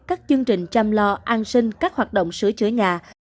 các chương trình chăm lo an sinh các hoạt động sửa chữa nhà